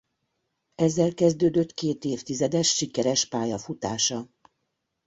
Ezzel kezdődött két évtizedes sikeres pályafutása.